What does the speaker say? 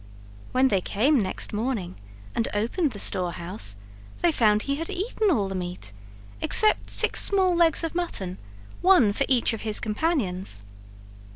When they came next morning and opened the storehouse they found he had eaten all the meat, except six small legs of mutton, one for each of his companions.